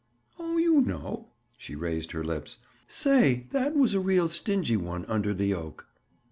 "Oh, you know." She raised her lips. "Say, that was a real stingy one, under the oak."